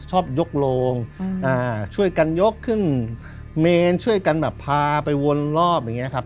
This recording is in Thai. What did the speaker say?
ชอบยกโรงช่วยกันยกขึ้นเมนช่วยกันแบบพาไปวนรอบอย่างนี้ครับ